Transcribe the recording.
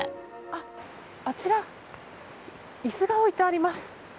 あちら、椅子が置いてあります。